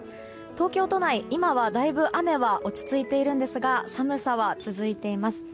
東京都内、今はだいぶ雨は落ち着いているんですが寒さは続いています。